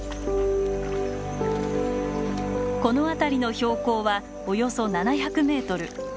この辺りの標高はおよそ７００メートル。